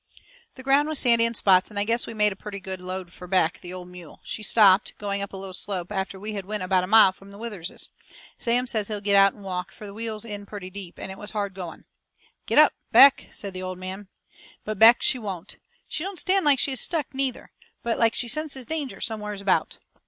The ground was sandy in spots, and I guess we made a purty good load fur Beck, the old mule. She stopped, going up a little slope, after we had went about a mile from the Witherses'. Sam says he'll get out and walk, fur the wheels was in purty deep, and it was hard going. "Giddap, Beck!" says the old man. But Beck, she won't. She don't stand like she is stuck, neither, but like she senses danger somewheres about.